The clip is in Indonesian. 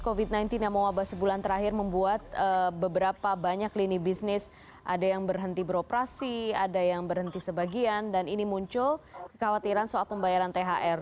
covid sembilan belas yang mewabah sebulan terakhir membuat beberapa banyak lini bisnis ada yang berhenti beroperasi ada yang berhenti sebagian dan ini muncul kekhawatiran soal pembayaran thr